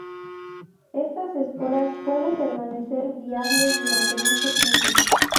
Estas esporas pueden permanecer viables durante mucho tiempo.